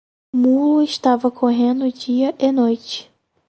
Mulo estava correndo dia e noite.